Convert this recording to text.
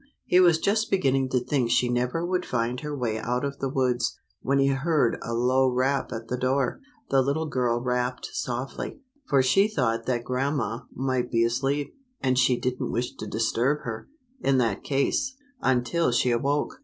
He was just beginning to think she never would find her way out of the woods, when he heard a low rap at the door. The little girl rapped softly, for she thought that grandma might be asleep, and she didn't wish to disturb her, in that case, until she awoke.